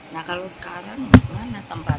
nah kalau sekarang kemana tempatnya